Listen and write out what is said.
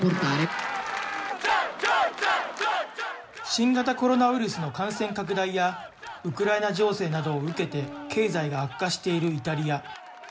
新型コロナウイルスの感染拡大や、ウクライナ情勢などを受けて経済が悪化しているイタリア。